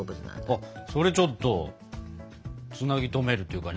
それちょっとつなぎとめるっていうかね